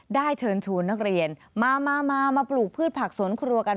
เชิญชวนนักเรียนมามาปลูกพืชผักสวนครัวกัน